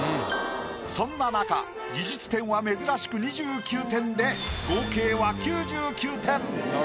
そんななか技術点は珍しく２９点で合計は９９点。